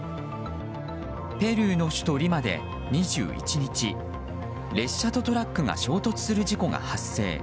ペルーの首都リマで２１日列車とトラックが衝突する事故が発生。